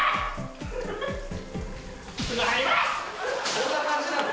そんな感じなの？